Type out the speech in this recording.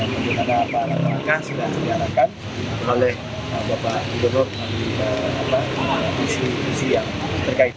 dan juga dengan pak alam raka sudah ditarakan oleh bapak ibn nur